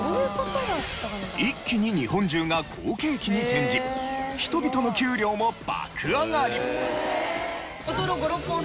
一気に日本中が好景気に転じ人々の給料も爆上がり！